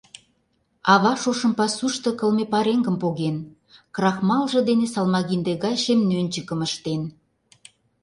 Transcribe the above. Ава шошым пасушто кылме пареҥгым поген, крахмалже дене салмагинде гай шем нӧнчыкым ыштен.